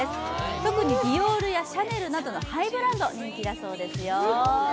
特にディオールやシャネルなどハイブランドが人気だそうですよ。